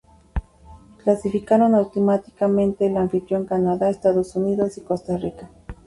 Clasificaron automáticamente el anfitrión Canadá, Estados Unidos y Costa Rica.